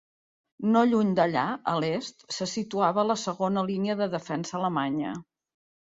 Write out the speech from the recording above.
No lluny d'allà, a l'est, se situava la segona línia de defensa alemanya.